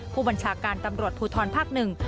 ผู้บัญชาการตำรวจภูทรภาคหนึ่ง